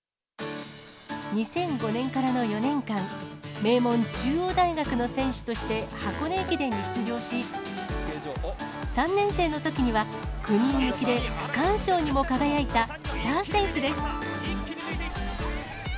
２００５年からの４年間、名門、中央大学の選手として箱根駅伝に出場し、３年生のときには、９人抜きで区間賞にも輝いたスター選手です。